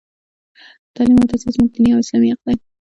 تـعلـيم او تحـصيل زمـوږ دينـي او اسـلامي حـق دى.